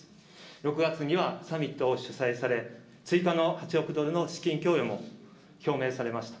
６月にはサミットを主催され、追加の８億ドルの資金供与も表明されました。